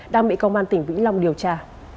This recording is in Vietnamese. đang bị công an tỉnh vĩnh long điều tra